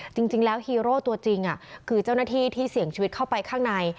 จริงแล้วฮีโร่ตัวจริงคือเจ้าหน้าที่ที่เสี่ยงชีวิตเข้าไปข้างใน